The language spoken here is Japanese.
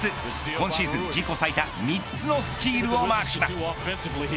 今シーズン自己最多３つのスチールをマークします。